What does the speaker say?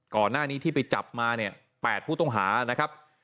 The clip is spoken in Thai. ก่อนหน้านี้ที่ไปจับมาเนี่ย๘ผู้ต้องหานะครับ